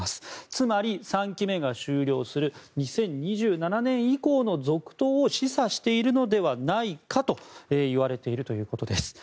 つまり３期目が終了する２０２７年以降の続投を示唆しているのではないかといわれているということです。